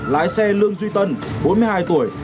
lái xe lương duy tân bốn mươi hai tuổi